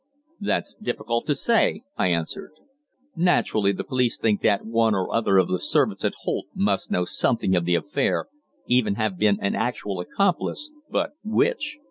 "That's difficult to say," I answered. "Naturally the police think that one or other of the servants at Holt must know something of the affair, even have been an actual accomplice but which?